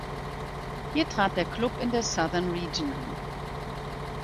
Hier trat der Klub in der Southern Region an.